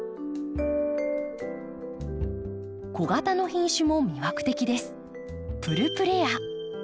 小型の品種も魅惑的です。